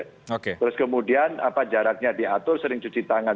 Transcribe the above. terus kemudian jaraknya diatur sering cuci tangan